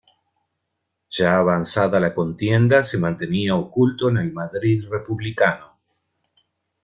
Ya avanzada la contienda se mantenía oculto en el Madrid republicano.